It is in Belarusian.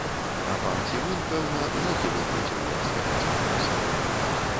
А пан цівун, пэўна, ногі выкруціў, як з каня зваліўся.